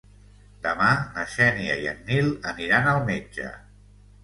Demà na Xènia i en Nil aniran al metge.